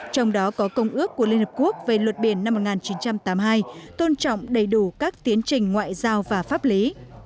trong đó có công ước của liên hợp quốc về luật biển năm một nghìn chín trăm tám mươi hai tôn trọng đầy đủ các tiến trình ngoại giao và pháp lý